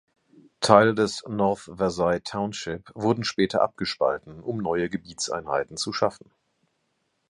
Teile des North Versailles Township wurden später Abgespalten um neue Gebietseinheiten zu schaffen.